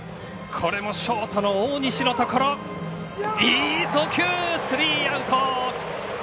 これもショートの大西のところ、いい送球スリーアウト。